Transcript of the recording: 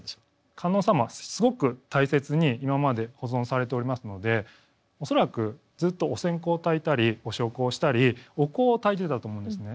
観音様はすごく大切に今まで保存されておりますので恐らくずっとお線香をたいたりお焼香をしたりお香をたいていたと思うんですね。